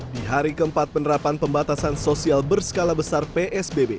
di hari keempat penerapan pembatasan sosial berskala besar psbb